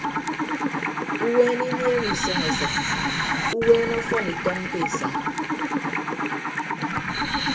Uweene iniehe isọñ esịt uweene ọfọn itọñ ke esa.